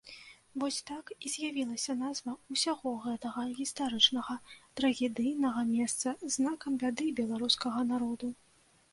Вось так і з'явілася назва ўсяго гэтага гістарычнага трагедыйнага месца, знакам бяды беларускага народу.